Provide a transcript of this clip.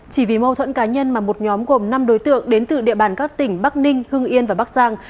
chỉ vì mâu thuẫn cá nhân mà một nhóm gồm năm đối tượng đến từ địa bàn các tỉnh bắc ninh hưng yên và bắc giang